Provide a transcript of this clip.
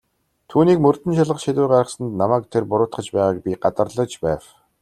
Түүнийг мөрдөн шалгах шийдвэр гаргасанд намайг тэр буруутгаж байгааг би гадарлаж байв.